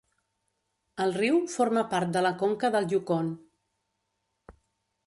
El riu forma part de la conca del Yukon.